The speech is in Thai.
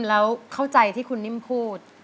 แล้วเข้าใจที่คุณนิ่มพูด